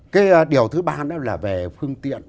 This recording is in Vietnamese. cái điều thứ ba nữa là về phương tiện